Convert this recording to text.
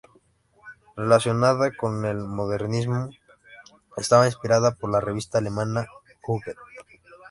Relacionada con el modernismo, estaba inspirada por la revista alemana "Jugend".